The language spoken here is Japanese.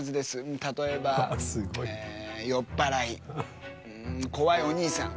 例えばえ酔っぱらいん怖いお兄さん。